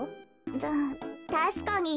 たたしかに。